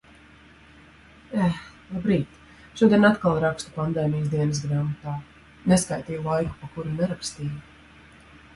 Eh, labrīt, šodien atkal rakstu pandēmijas dienasgrāmatā. Neskaitīju laiku, pa kuru nerakstīju.